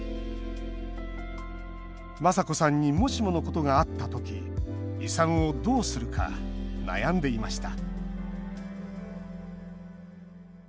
マサコさんにもしものことがあった時遺産をどうするか悩んでいました